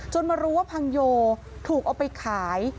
มารู้ว่าพังโยถูกเอาไปขาย